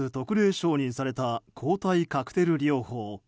承認された抗体カクテル療法。